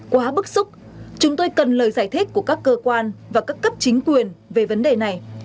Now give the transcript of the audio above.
quá bức xúc chúng tôi cần lời giải thích của các cơ quan và các cấp chính quyền về vấn đề này